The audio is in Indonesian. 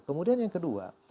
kemudian yang kedua